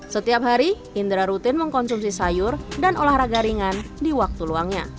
setiap hari indra rutin mengkonsumsi sayur dan olahraga ringan di waktu luangnya